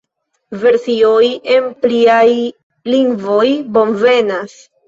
Versioj en pliaj lingvoj bonvenas.